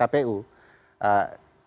kami ingin menemukan bawaslu